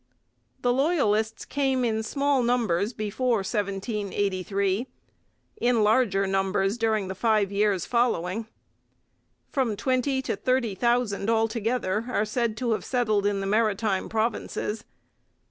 The Loyalists came in small numbers before 1783; in larger numbers during the five years following. From twenty to thirty thousand altogether are said to have settled in the Maritime Provinces.